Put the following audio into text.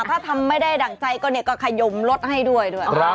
ถ้าทำไม่ได้ดั่งใจขยมลดให้ด้วย